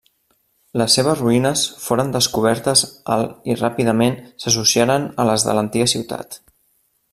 Les seves ruïnes foren descobertes al i ràpidament s'associaren a les de l'antiga ciutat.